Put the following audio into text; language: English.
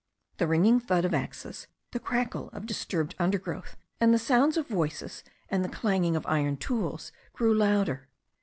The ringing thud of axes, the crackle of disturbed under growth, the sounds of voices and the clanging of iron tools grew louder.